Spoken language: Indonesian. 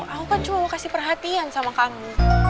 aku kan cuma mau kasih perhatian sama kamu